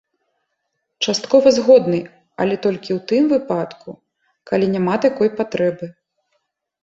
Часткова згодны, але толькі ў тым выпадку, калі няма такой патрэбы.